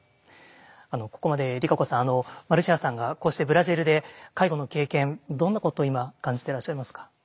ここまでＲＩＫＡＣＯさんマルシアさんがこうしてブラジルで介護の経験どんなことを今感じていらっしゃいますか？